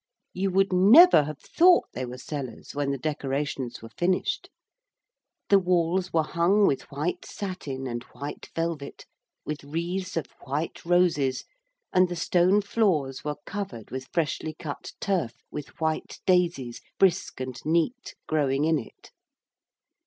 You would never have thought they were cellars when the decorations were finished. The walls were hung with white satin and white velvet, with wreaths of white roses, and the stone floors were covered with freshly cut turf with white daisies, brisk and neat, growing in it.